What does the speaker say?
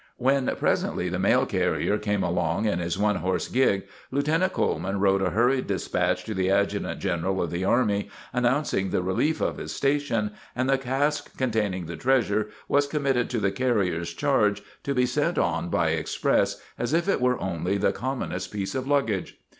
When presently the mail carrier came along in his one horse gig, Lieutenant Coleman wrote a hurried despatch to the adjutant general of the army, announcing the relief of his station, and the cask containing the treasure was committed to the carrier's charge, to be sent on by express, as if it were only the commonest piece of luggage.